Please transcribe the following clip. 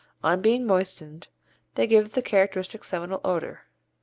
On being moistened they give the characteristic seminal odour.